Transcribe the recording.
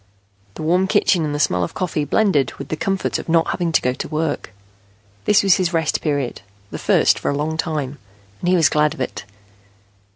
The warm kitchen and the smell of coffee blended with the comfort of not having to go to work. This was his Rest Period, the first for a long time, and he was glad of it.